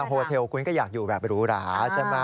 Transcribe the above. โฮเทลคุณก็อยากอยู่แบบหรูหราใช่ไหม